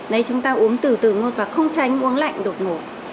đấy chúng ta uống từ từ một và không tránh uống lạnh đột ngột